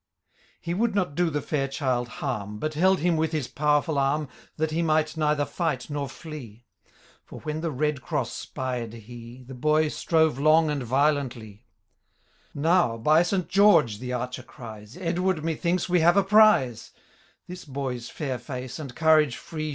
He would not jlo the &ir child harm. But held him with his powerful arm. That he might neither fight nor flee ; For when the Red Cross spied he. The boy strove long and violently, " Now, by St. George," the archer crie*, ^ Eklward, methinks we have a prize ! This boy^s &ur face, and courage free.